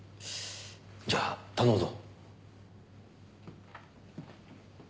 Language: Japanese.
じゃあ頼むぞ。